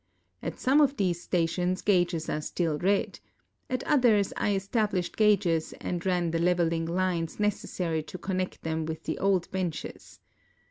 At some of these stations gages are still read ; at others I establisht gagi's and nm the level ing lines necessary to connect them with tlie old benches.